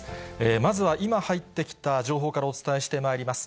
まずは今入ってきた情報からお伝えしてまいります。